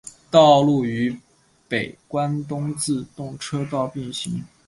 道路与北关东自动车道并行。